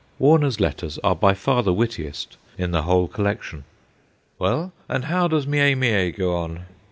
Warner's letters are by far the wittiest in the whole collection. ' Well, and how does Mie Mie go on